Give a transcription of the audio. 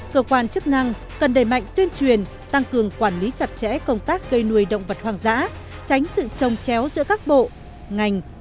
cơ quan chức năng cần đẩy mạnh tuyên truyền tăng cường quản lý chặt chẽ công tác cây nuôi động vật hoang dã tránh sự trồng chéo giữa các bộ ngành